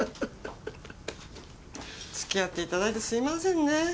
つきあっていただいてすみませんね。